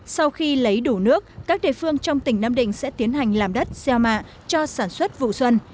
sau khi lấy đủ nước các địa phương trong tỉnh nam định sẽ tiến hành làm đất gieo mạ cho sản xuất vụ xuân